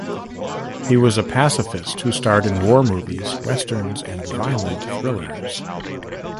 He was a pacifist who starred in war movies, westerns, and violent thrillers.